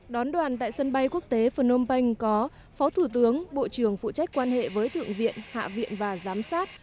đón đoàn tại sân bay quốc tế phnom penh có phó thủ tướng bộ trưởng phụ trách quan hệ với thượng viện hạ viện và giám sát